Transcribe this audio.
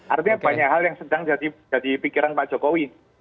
artinya banyak hal yang sedang jadi pikiran pak jokowi